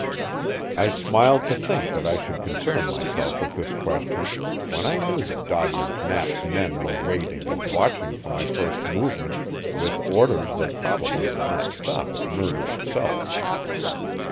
I smiled to think that I should concern myself with this question when I knew that Doddridge Knapp's men were waiting and watching for my first movement with orders that probably did not stop at murder itself.